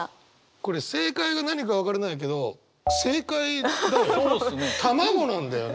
これ正解が何か分からないけど正解だよ。